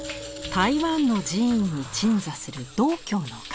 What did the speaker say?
台湾の寺院に鎮座する道教の神。